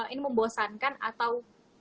ini membosankan atau